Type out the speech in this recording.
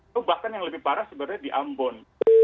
itu bahkan yang lebih parah sebenarnya di ambon